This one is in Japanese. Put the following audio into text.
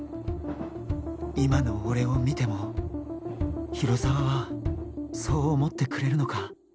今の俺を見ても広沢はそう思ってくれるのか？